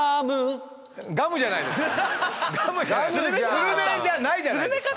スルメじゃないじゃないですか。